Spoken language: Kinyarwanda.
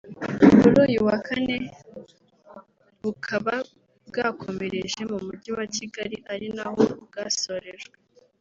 kuri uyu wa Kane bukaba bwakomereje mu Mujyi wa Kigali ari naho bwasorejwe